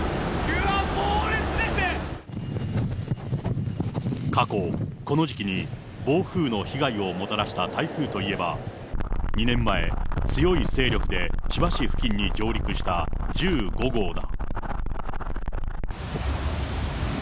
うわっ、過去、この時期に暴風の被害をもたらした台風といえば、２年前、強い勢力で千葉市付近に上陸した１５号だ。